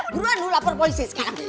buruan lu lapor polisi sekarang